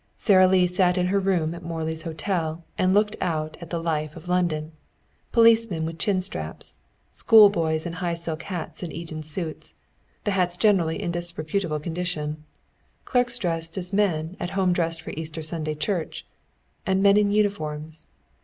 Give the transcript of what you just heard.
Sara Lee sat in her room at Morley's Hotel and looked out at the life of London policemen with chin straps; schoolboys in high silk hats and Eton suits, the hats generally in disreputable condition; clerks dressed as men at home dressed for Easter Sunday church; and men in uniforms.